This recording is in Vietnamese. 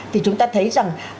thì chúng ta thấy rằng